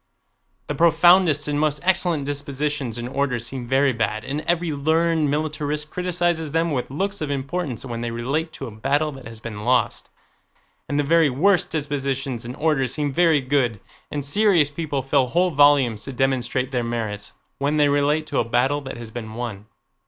The profoundest and most excellent dispositions and orders seem very bad, and every learned militarist criticizes them with looks of importance, when they relate to a battle that has been lost, and the very worst dispositions and orders seem very good, and serious people fill whole volumes to demonstrate their merits, when they relate to a battle that has been won.